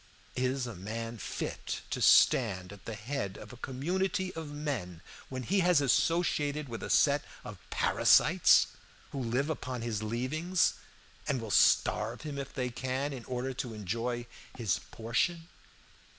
Is a man fit to stand at the head of a community of men when he has associated with a set of parasites, who live upon his leavings, and will starve him if they can, in order to enjoy his portion?